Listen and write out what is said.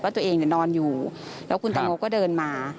ตัวเองนอนอยู่แล้วคุณตังโมก็เดินมา